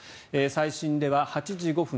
最新では８時５分